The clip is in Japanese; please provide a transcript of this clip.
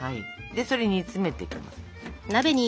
それ煮詰めていきます。